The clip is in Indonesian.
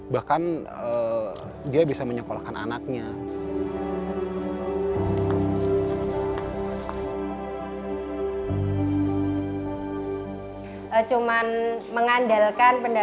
bahkan dia bisa menyekolahkan anaknya